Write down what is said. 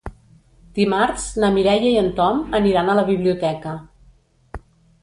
Dimarts na Mireia i en Tom aniran a la biblioteca.